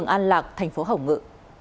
an lạc tp hồng ngự